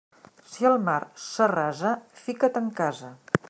Si el mar s'arrasa, fica't en casa.